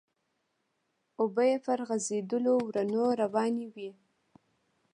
اوبه يې پر غزيدلو ورنو روانې وې.